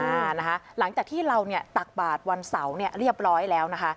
อ่านะคะหลังจากที่เราเนี่ยตักบาทวันเสาร์เนี่ยเรียบร้อยแล้วนะคะ